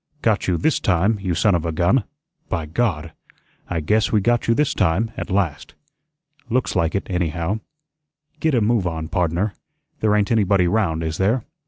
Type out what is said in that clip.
"Got you THIS time, you son of a gun! By God! I guess we got you THIS time, at last. Looks like it, anyhow. GET a move on, pardner. There ain't anybody 'round, is there?